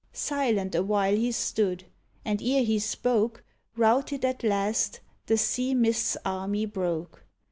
Silent awhile he stood, and ere he spoke. Routed at last, the sea mist's army broke.